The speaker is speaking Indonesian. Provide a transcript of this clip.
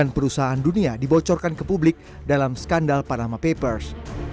sembilan perusahaan dunia dibocorkan ke publik dalam skandal panama papers